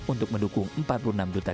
untuk mendukung empat puluh enam juta